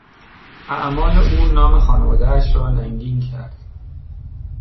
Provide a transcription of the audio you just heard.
اعمال او نام خانوادهاش را ننگین کرد.